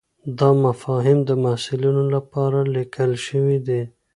دا مفاهیم د محصلینو لپاره لیکل شوي دي.